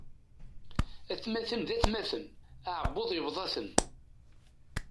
Atmaten d atmaten, aεebbuḍ yebḍa-ten.